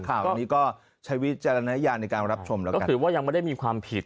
ข่าวนี้ก็ใช้วิจารณญาณในการรับชมแล้วก็คือว่ายังไม่ได้มีความผิด